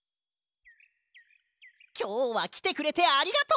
きょうはきてくれてありがとう！